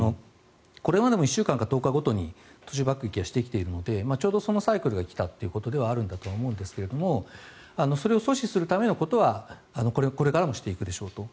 これまでも１週間か１０日ごとに都市爆撃はしているのでちょうどそのサイクルが来たということではあると思うんですがそれを阻止するためのことはこれからもしていくでしょうと。